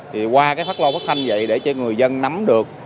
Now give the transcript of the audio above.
thì qua các lo phát thanh vậy để cho người dân nắm được